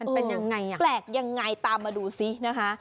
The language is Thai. มันเป็นยังไงอ่ะตามมาดูซินะคะ